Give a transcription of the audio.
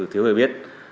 thiếu hiểu biết